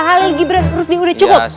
kak halil gibran rus nih udah cukup ya salah